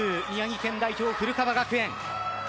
宮城県代表・古川学園。